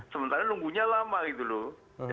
sementara nunggunya lama gitu loh